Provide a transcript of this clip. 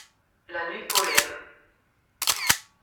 La nuit polaire —